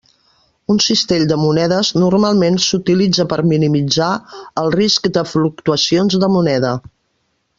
Un cistell de monedes normalment s'utilitza per minimitzar el risc de fluctuacions de moneda.